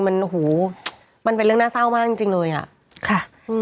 มันเป็นเรื่องน่าเศร้ามากจริงเลยอะ